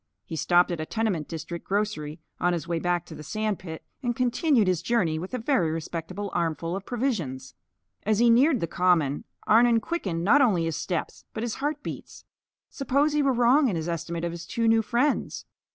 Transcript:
He stopped at a tenement district grocery, on his way back to the sand pit, and continued his journey with a very respectable armful of provisions. As he neared the Common, Arnon quickened not only his steps but his heartbeats. Suppose he were wrong in his estimate of his two new friends.